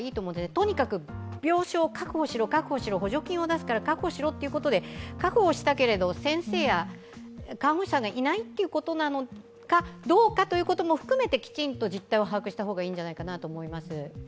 とにかく病床を確保しろ確保しろ補助金を出すから確保しろということで、確保したけれども、先生や看護師さんがいないということなのかどうかということも含めてきちんと実態を把握した方がいいんじゃないかと思います。